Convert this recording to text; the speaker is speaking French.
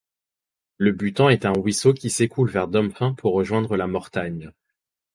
Le Buttant est un ruisseau qui s'écoule vers Domfaing pour rejoindre la Mortagne.